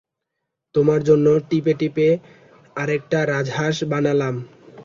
তোমার জন্য টিপে টিপে আরেকটা রাজহাঁস বানালাম।